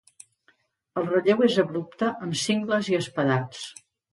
El relleu és abrupte amb cingles i espadats.